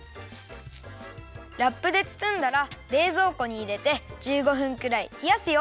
ラップでつつんだられいぞうこにいれて１５分くらいひやすよ。